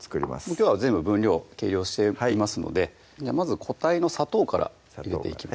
きょうは全部分量計量していますのでまず固体の砂糖から入れていきます